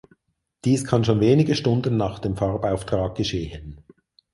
Dies kann schon wenige Stunden nach dem Farbauftrag geschehen.